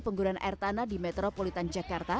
penggunaan air tanah di metropolitan jakarta